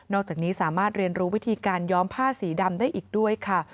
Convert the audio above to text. อกจากนี้สามารถเรียนรู้วิธีการย้อมผ้าสีดำได้อีกด้วยค่ะ